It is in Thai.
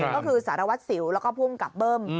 ก็คือสารวัตรสิวแล้วก็ภูมิกับเบิ้ม